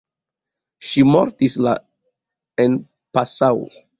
Ŝi mortis la en Passau.